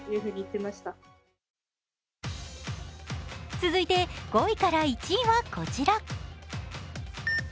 続いて５位から１位はこちら。